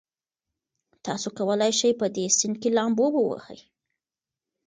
تاسي کولای شئ په دې سیند کې لامبو ووهئ.